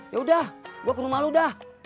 ya udah gue ke rumah lu dah